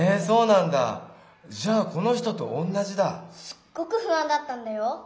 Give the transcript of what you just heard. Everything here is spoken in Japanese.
すっごくふあんだったんだよ。